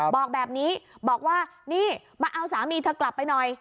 บอกแบบนี้บอกว่านี่มาเอาสามีเธอกลับไปหน่อย